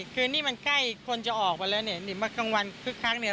คือนี่มันใกล้คนจะออกไปแล้วเนี่ย